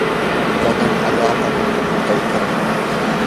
kanan allaapam pukutaykan.